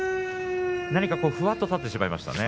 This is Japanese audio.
ふわっと立ってしまいましたね。